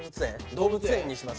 動物園にします？